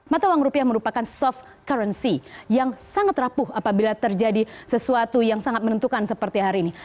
mata uang rupiah merupakan soft currency yang sangat rapuh apabila terjadi sesuatu yang sangat menentukan seperti hari ini